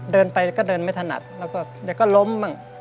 เดินไปก็เดินไม่ถนัดแล้วก็เดี๋ยวก็ล้มบ้าง